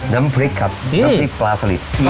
น้ำพริกครับน้ำพริกปลาสลิด